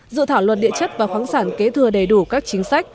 dự thảo luật địa chất và khoáng sản kế thừa đầy đủ các chính sách